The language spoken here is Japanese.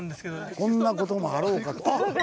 こんな事もあろうかと